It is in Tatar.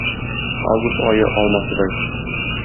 Август ае алмасыдай